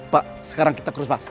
pak sekarang kita terus pak